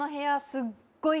すっごい